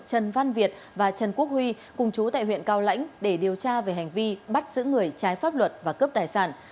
trần văn việt và trần quốc huy cùng chú tại huyện cao lãnh để điều tra về hành vi bắt giữ người trái pháp luật và cướp tài sản